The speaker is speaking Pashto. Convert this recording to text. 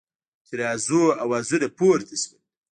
اعتراضونو آوازونه پورته شول.